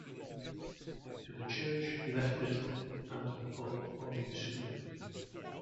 To the Church he left little and to the pope only a souvenir.